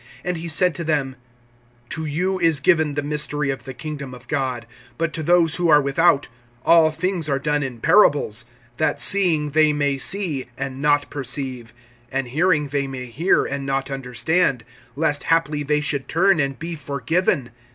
(11)And he said to them: To you is given the mystery of the kingdom of God, but to those who are without, all things are done in parables; (12)that seeing they may see, and not perceive, and hearing they may hear, and not understand; lest haply they should turn, and be forgiven.